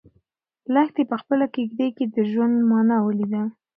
لښتې په خپله کيږدۍ کې د ژوند مانا ولیده.